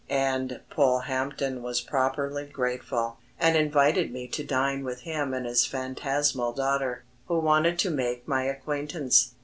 And Polehampton was properly grateful, and invited me to dine with him and his phantasmal daughter who wanted to make my acquaintance.